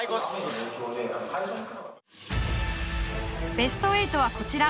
ベスト８はこちら。